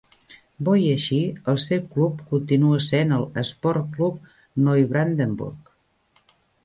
Bo i així, el seu club continua sent el Sportclub Neubrandenburg.